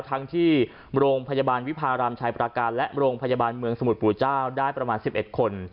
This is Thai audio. ทั้งที่โรงพยาบาลวิพารามชายประการและโรงพยาบาลเมืองสมุทรปู่เจ้าได้ประมาณ๑๑คน